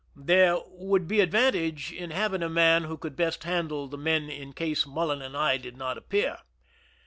There would be advantage in having a man who could best handle the men in case Mullen and I did not appear.